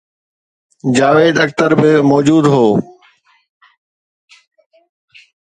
جاويد اختر به موجود هو